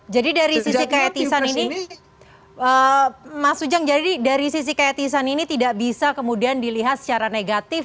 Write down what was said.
jadi dari sisi kayak tisan ini mas ujang jadi dari sisi kayak tisan ini tidak bisa kemudian dilihat secara negatif